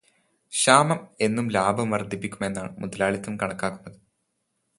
ക്ഷാമം എന്നും ലാഭം വർധിപ്പിക്കുമെന്നാണ് മുതലാളിത്തം കണക്കാക്കുന്നത്.